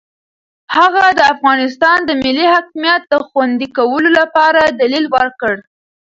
هغه د افغانستان د ملي حاکمیت د خوندي کولو لپاره دلیل ورکړ.